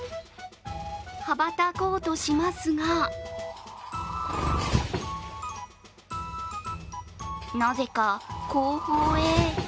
羽ばたこうとしますがなぜか後方へ。